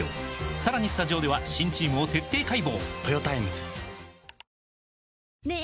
さらにスタジオでは新チームを徹底解剖！